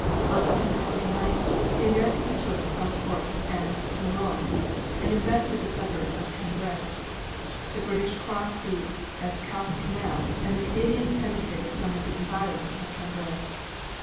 On September 29th the Americans took Bellecourt and Nauroy, and invested the suburbs of Cambrai. The British crossed the Escaut canal and the Canadians penetrated some of the environs of Cambrai.